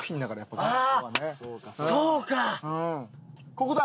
ここだ。